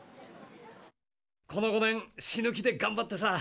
この５年死ぬ気でがんばってさ